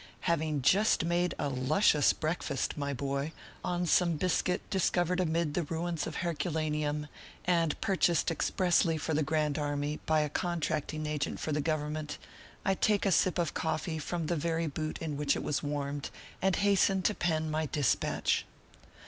HAVING just made a luscious breakfast, my boy, on some biscuit discovered amid the ruins of Hercu laneum, and purchased expressly for the grand army by a contracting agent for the Government, I take a sip of coffee from the very boot in which it was warmed, and hasten to pen my dispatch.